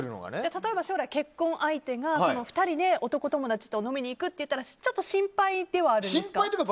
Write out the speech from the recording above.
例えば将来、結婚相手が２人で男友達と飲みに行くとか言ったら、心配ではありますか。